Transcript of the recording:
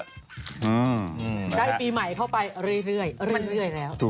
ได้ปีใหม่เข้าไปเรื่อยแล้ว